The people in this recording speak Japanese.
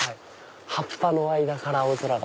葉っぱの間から青空が。